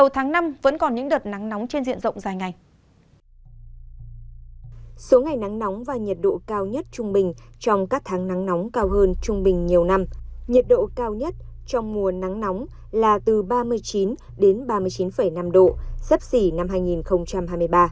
tháng nắng nóng cao hơn trung bình nhiều năm nhiệt độ cao nhất trong mùa nắng nóng là từ ba mươi chín ba mươi chín năm độ sắp xỉ năm hai nghìn hai mươi ba